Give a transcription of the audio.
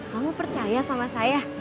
kamu percaya sama saya